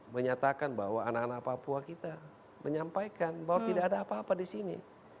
menyatakan bahwa anak anak papua kita menyampaikan bahwa tidak ada apa apa di sini